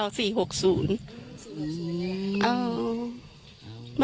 บ้านเลขที่ยือยูกรุงเทพฯนะคะ๔๖๐